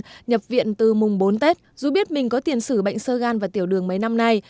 nhập viện từ mùng bốn tết dù biết mình có tiền sử bệnh sơ gan và tiểu đường mấy năm nay